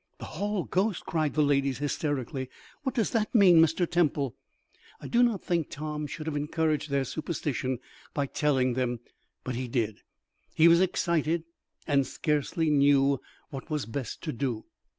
"The hall ghost!" cried the ladies, hysterically. "What does that mean, Mr. Temple?" I do not think Tom should have encouraged their superstition by telling them, but he did. He was excited, and scarcely knew what was best to do.